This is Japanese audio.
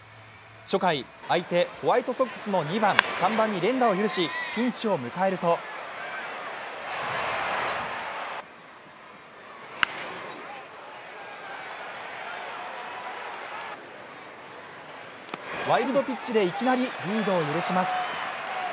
初回、相手ホワイトソックスの２番、３番に連打を許しピンチを迎えるとワイルドピッチでいきなりリードを許します。